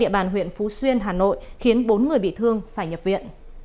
địa bàn huyện phú xuyên hà nội khiến bốn người bị thương phải nhập viện